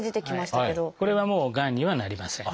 これはがんにはなりません。